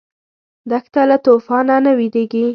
دښته له توفانه نه وېرېږي.